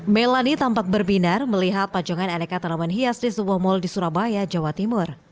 melani tampak berbinar melihat pajongan aneka tanaman hias di sebuah mal di surabaya jawa timur